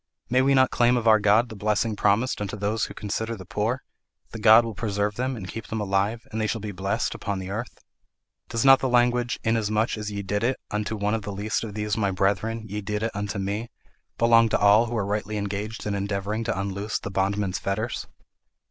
May we not claim of our God the blessing promised unto those who consider the poor: the Lord will preserve them and keep them alive, and they shall be blessed upon the earth? Does not the language, 'Inasmuch as ye did it unto one of the least of these my brethren, ye did it unto me,' belong to all who are rightly engaged in endeavouring to unloose the bondman's fetters?